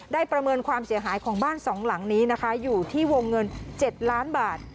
ประเมินความเสียหายของบ้านสองหลังนี้นะคะอยู่ที่วงเงิน๗ล้านบาท